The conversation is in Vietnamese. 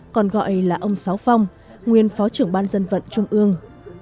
còn gọi là ông sáu phong nguyên phó trưởng ban dân vận trung ương